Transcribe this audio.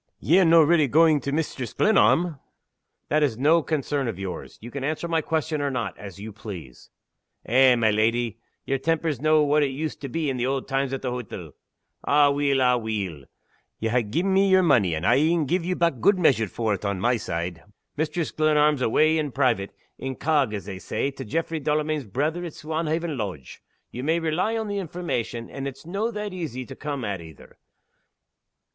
"Ye're no' reely going to Mistress Glenarm?" "That is no concern of yours. You can answer my question or not, as you please." "Eh, my leddy! yer temper's no' what it used to be in the auld times at the hottle. Aweel! aweel! ye ha' gi'en me yer money, and I'll een gi' ye back gude measure for it, on my side. Mistress Glenarm's awa' in private incog, as they say to Jaffray Delamayn's brither at Swanhaven Lodge. Ye may rely on the information, and it's no' that easy to come at either.